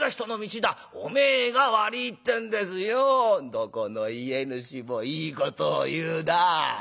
「どこの家主もいいことを言うなぁ。